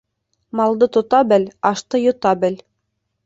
Малды тота бел, ашты йота бел.